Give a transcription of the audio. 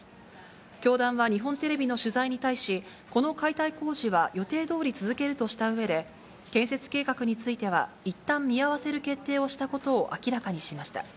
教団は日本テレビの取材に対し、この解体工事は予定どおり続けるとしたうえで、建設計画についてはいったん見合わせる決定をしたことを明らかにしました。